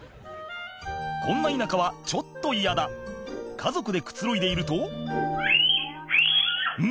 こんな田舎はちょっと嫌だ家族でくつろいでいるとうん？